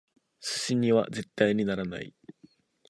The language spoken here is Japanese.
寿司には絶対にならない！